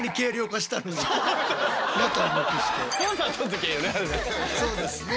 ぜひそうですね。